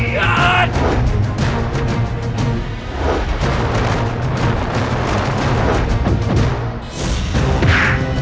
raja ibu nda